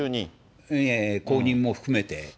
後任も含めて。